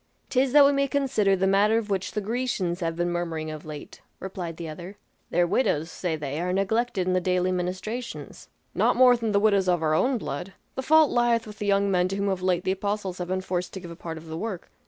"'Tis that we may consider the matter of which the Grecians have been murmuring of late," replied the other. "Their widows, say they, are neglected in the daily ministrations." "Not more than the widows of our own blood; the fault lieth with the young men to whom of late the apostles have been forced to give a part of the work.